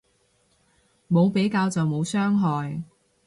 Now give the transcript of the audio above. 冇比較就冇傷害